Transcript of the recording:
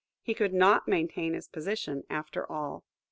He could not maintain his position after all!